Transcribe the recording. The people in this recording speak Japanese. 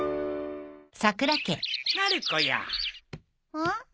うん？